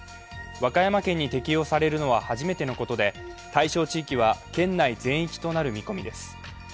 和歌山県に適用されるのは初めてのことで、対象地域は県内全域となる見込みです。